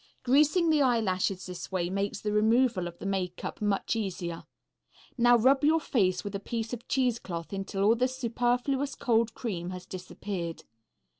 Greasing the eyelashes this way makes the removal of the makeup much easier. Now rub your face with a piece of cheesecloth until all the superfluous cold cream has disappeared.